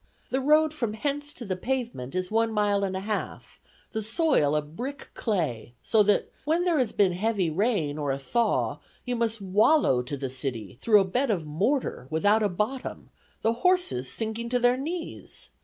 The road from hence to the pavement is one mile and a half, the soil a brick clay, so that, when there has been heavy rain, or a thaw, you must wallow to the city through a bed of mortar without a bottom, the horses sinking to their knees.